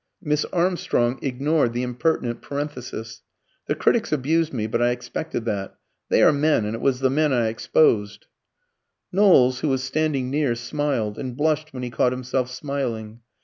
Miss Armstrong ignored the impertinent parenthesis. "The critics abused me, but I expected that. They are men, and it was the men I exposed " Knowles, who was standing near, smiled, and blushed when he caught himself smiling.